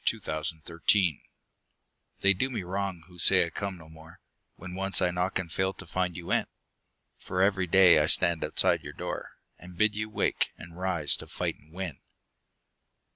OPPORTUNITY They do me wrong who say I come no more When once I knock and fail to find you in ; For every day I stand outside your door, And bid you wake, and rise to fight and win.